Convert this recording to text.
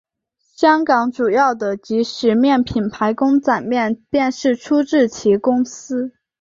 香港主要的即食面品牌公仔面便是出自其公司。